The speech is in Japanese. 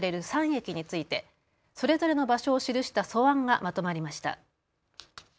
３駅について、それぞれの場所を記した素案がまとまりました。